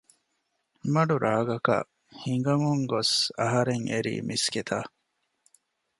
މަޑު ރާގަކަށް ހިނގަމުން ގޮސް އަހަރެން އެރީ މިސްކިތަށް